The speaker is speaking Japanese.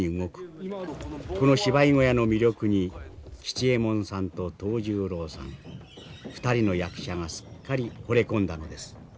この芝居小屋の魅力に吉右衛門さんと藤十郎さん２人の役者がすっかりほれ込んだのです。